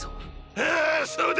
ああそうだ！